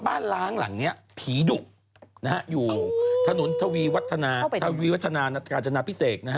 บ้านล้างหลังดีกว่าผีดุ